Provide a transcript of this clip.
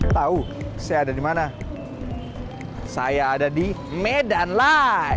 tahu saya ada di mana saya ada di medan lah